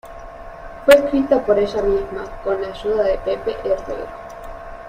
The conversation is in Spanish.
Fue escrita por ella misma con la ayuda de Pepe Herrero.